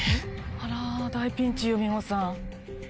あら大ピンチよ美穂さん。